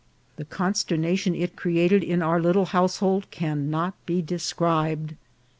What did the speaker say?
The consternation it created in our little household cannot be described.